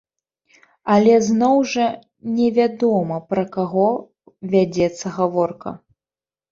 Але зноў жа невядома, пра каго вядзецца гаворка.